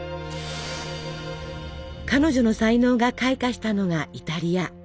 彼女の才能が開花したのがイタリア。